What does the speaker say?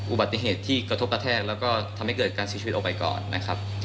อุบัติเหตุที่กระทบกระแทกแล้วก็ทำให้เกิดการเสียชีวิตออกไปก่อนนะครับ